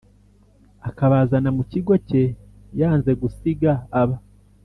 Akabazana mu kigo cye yanze gusiga aba